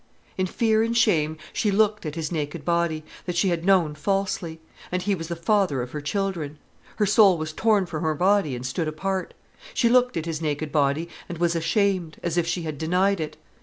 In fear and shame she looked at his naked body, that she had known falsely. And he was the father of her children. Her soul was torn from her body and stood apart. She looked at his naked body and was ashamed, as if she had denied it.